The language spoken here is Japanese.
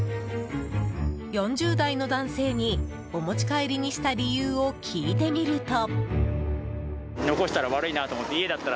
４０代の男性にお持ち帰りにした理由を聞いてみると。